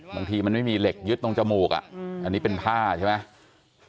บางทีมันไม่มีเหล็กยึดตรงจมูกอันนี้เป็นผ้าใช่ไหม